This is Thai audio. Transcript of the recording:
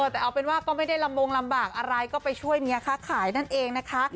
แต่เอาเป็นว่าก็ไม่ได้ลำบงลำบากอะไรก็ไปช่วยเมียค้าขายนั่นเองนะคะ